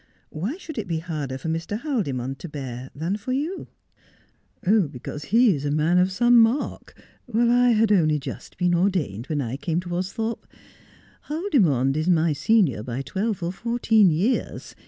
' Why should it be harder for Mr. Haldimond to bear than for you 1 '' Because he is a man of some mark, while I had only just been ordained when I came to Austhorpe. Haldimond is my senior by twelve or fourteen years.